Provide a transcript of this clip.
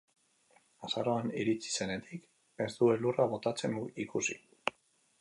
Azaroan iritsi zenetik, ez du elurra botatzen ikusi.